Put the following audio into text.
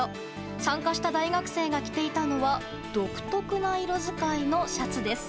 参加した大学生が着ていたのは独特な色使いのシャツです。